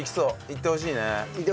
行ってほしいね。